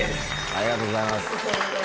ありがとうございます。